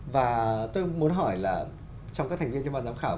và tôi muốn hỏi là trong các thành viên trong ban giám khảo